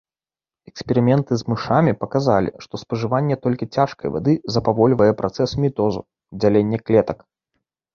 Эксперыменты з мышамі паказалі, што спажыванне толькі цяжкай вады запавольвае працэс мітозу, дзялення клетак.